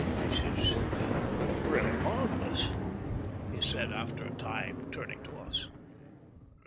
"This is really marvellous," he said, after a time, turning to us.